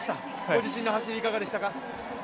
ご自身の走りいかがでしたか？